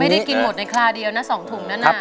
ไม่ได้กินหมดในคราวเดียวนะ๒ถุงนั้น